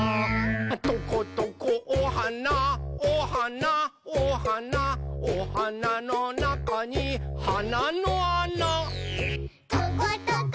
「トコトコおはなおはなおはなおはなのなかにはなのあな」「トコトコおくちおくち